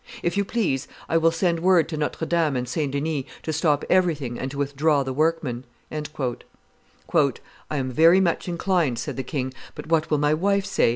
If you please, I will send word to Notre Dame and St. Denis to stop everything and to withdraw the workmen." "I am very much inclined," said the king; " but what will my wife say?